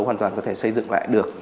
hoàn toàn có thể xây dựng lại được